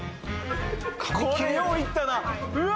これよういったなうわ